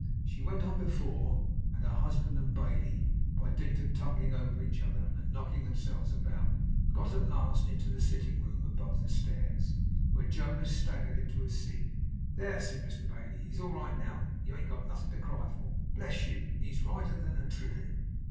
She went on before; and her husband and Bailey, by dint of tumbling over each other, and knocking themselves about, got at last into the sitting room above stairs, where Jonas staggered into a seat. 'There!' said Mr Bailey. 'He's all right now. You ain't got nothing to cry for, bless you! He's righter than a trivet!